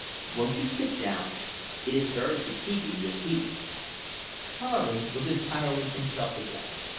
Won't you sit down? It is very fatiguing, this heat." Charley was entirely himself again.